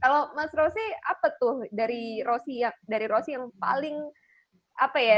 kalau mas rosi apa tuh dari rosy yang paling apa ya